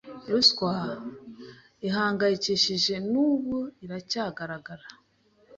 ruswa ihangayikishije n’ubu iracyagaragara